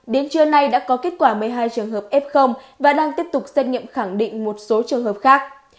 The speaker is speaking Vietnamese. đến trưa nay đã có kết quả một mươi hai trường hợp f và đang tiếp tục xét nghiệm khẳng định một số trường hợp khác